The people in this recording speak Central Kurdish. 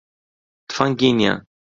تفەنگی نییە.